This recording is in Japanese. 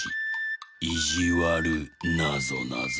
いじわるなぞなぞ。